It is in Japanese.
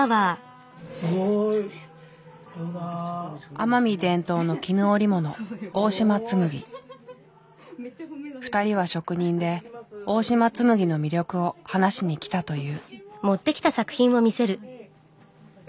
奄美伝統の絹織物２人は職人で大島紬の魅力を話しにきたという。